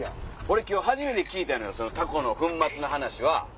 今日初めて聞いたのよタコの粉末の話は。